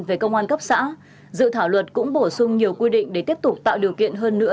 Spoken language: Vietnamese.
về công an cấp xã dự thảo luật cũng bổ sung nhiều quy định để tiếp tục tạo điều kiện hơn nữa